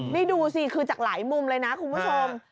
นี่ดูสิคือจากหลายมุมเลยนะคุณผู้ชม